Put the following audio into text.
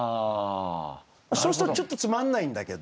そうするとちょっとつまんないんだけど。